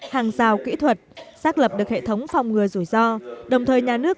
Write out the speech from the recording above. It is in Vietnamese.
hàng rào kỹ thuật xác lập được hệ thống phòng ngừa rủi ro đồng thời nhà nước